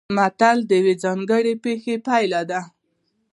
متل د یوې ځانګړې پېښې پایله ده